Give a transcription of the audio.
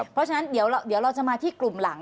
เพราะฉะนั้นเดี๋ยวเราจะมาที่กลุ่มหลัง